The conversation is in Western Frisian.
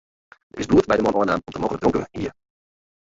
Der is bloed by de man ôfnaam om't er mooglik dronken hie.